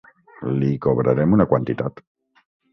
Li cobrarem una quantitat.